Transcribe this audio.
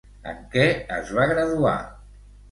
En què es va graduar?